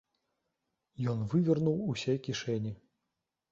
Ён вывернуў усе кішэні.